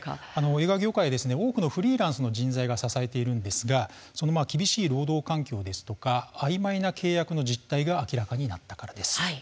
映画業界は多くのフリーランスの人材が支えているんですがその厳しい労働環境やあいまいな契約の実態が明らかになったからです。